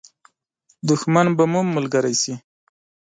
دښمن به مو هم ملګری شي.